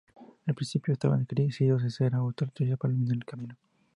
Al principio llevaban cirios de cera o antorchas para iluminar el camino.